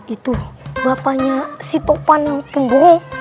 itu bapaknya si taufan yang pembohong